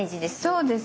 そうですね。